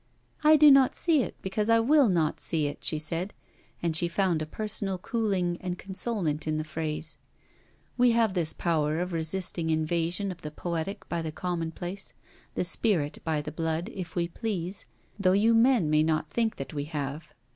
'I do not see it, because I will not see it,' she said, and she found a personal cooling and consolement in the phrase. We have this power of resisting invasion of the poetic by the commonplace, the spirit by the blood, if we please, though you men may not think that we have!